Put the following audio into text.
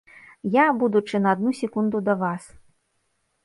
Я, будучы, на адну секунду да вас.